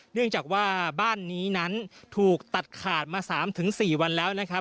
เนื่องจากว่าบ้านนี้นั้นถูกตัดขาดมา๓๔วันแล้วนะครับ